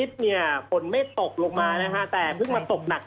ฝนไม่ตกลงมานะครับแต่พึ่งมันตกหนัก